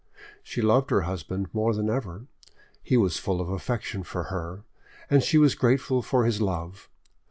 She loved her husband more than ever; he was full of affection for her, and she was grateful for his love.